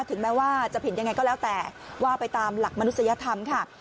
ถึงแม้ว่าจะผิดยังไงก็แล้วแต่ว่าไปตามหลักมนุษยธรรมค่ะ